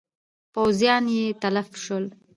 پوځیان یې تلف شول.